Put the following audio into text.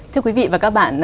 thưa quý vị và các bạn